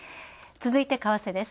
続いて為替です。